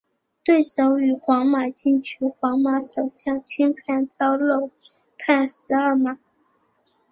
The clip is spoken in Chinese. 对手于皇马禁区皇马守将侵犯遭漏判十二码。